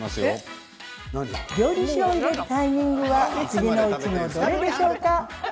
料理酒を入れるタイミングは次のうちのどれでしょうか？